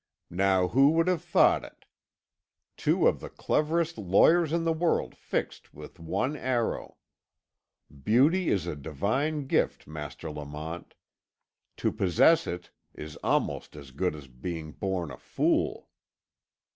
Now, who would have thought it? Two of the cleverest lawyers in the world fixed with one arrow! Beauty is a divine gift, Master Lamont. To possess it is almost as good as being born a fool."